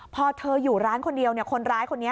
พอเธออยู่ร้านคนเดียวคนร้ายคนนี้